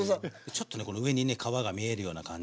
ちょっとね上にね皮が見えるような感じで。